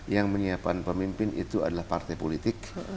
yang menyiapkan pemimpin itu adalah partai politik